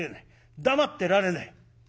黙ってられない。